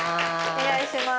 お願いします。